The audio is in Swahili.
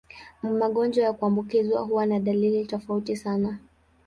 Magonjwa ya kuambukizwa huwa na dalili tofauti sana.